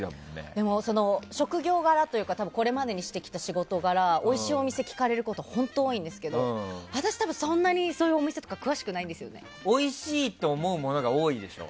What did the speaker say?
でも職業柄というかこれまでにしてきた仕事柄おいしいお店を聞かれることが本当に多いんですけど私、多分そんなにそういうお店とかおいしいと思うものが多いでしょ？